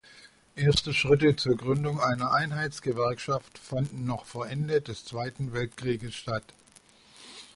Erste Schritte zur Gründung einer Einheitsgewerkschaft fanden noch vor Ende des Zweiten Weltkrieges statt.